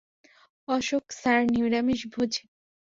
Ashok sir নিরামিষভোজী।